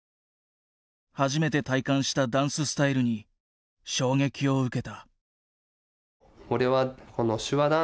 初めて体感したダンススタイルに衝撃を受けた。